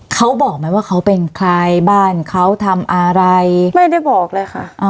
เขาบอกไหมว่าเขาเป็นใครบ้านเขาทำอะไรไม่ได้บอกเลยค่ะ